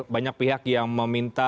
banyak pihak yang meminta